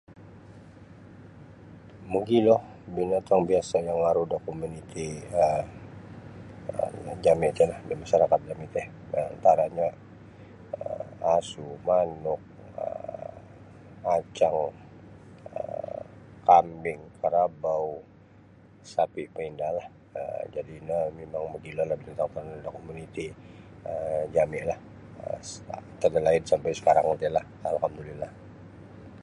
mogiloh binatang biasa yang aru da komuniti um jami tih la masyarakat jami tih um antaranya um asu manuk um acang um kambing karabau sapi tu inda lah um jadi no memang mogilo lah binatang da komuniti um jami lah um tiada lain sampai sekarang ti lah alhamdulillah